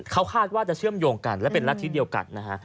เขาคาดว่าจะเชื่อมโยงกันและเป็นลักษณ์ที่เดียวกัน